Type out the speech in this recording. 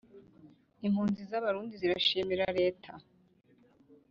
Impunzi zabarundi zirashimira leta